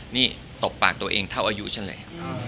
นี่ตบปากตัวเองเท่าอายุฉันเลย